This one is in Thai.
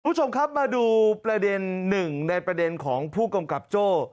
ผู้ชมครับมาดูประเด็นหนึ่งของผู้กำกับโจ้